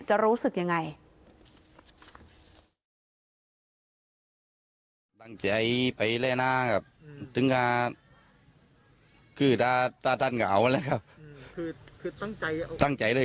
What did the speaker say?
รู้สึกยังไง